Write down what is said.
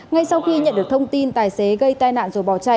ngay sau khi nhận được thông tin tài xế gây tai nạn rồi bỏ chạy